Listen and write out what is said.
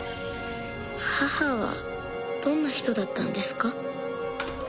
母はどんな人だったんですか？